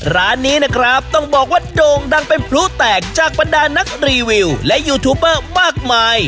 ร้านนี้นะครับต้องบอกว่าโด่งดังเป็นพลุแตกจากบรรดานักรีวิวและยูทูบเบอร์มากมาย